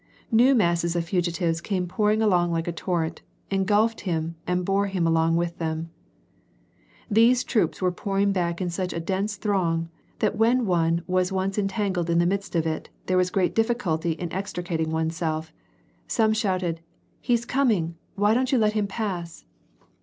New masses of fugitives came pouring along like a torrent, engulfed him, and bore him along with them. The troops were pouring back in such a dense throng, that when one was once entangled in the midst of it, there was great difiiculty in extricating one's self. Some shouted: " He's coming, why don't you let him pass